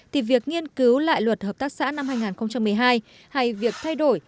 thì việc nghiên cứu lại luật hợp tác xã năm hai nghìn một mươi hai hay việc thay đổi